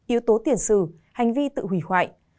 yếu tố tiền sử hành vi tự hủy hoại